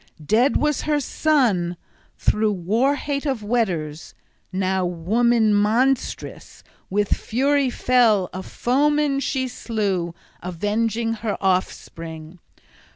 Dead was her son through war hate of Weders; now, woman monstrous with fury fell a foeman she slew, avenged her offspring.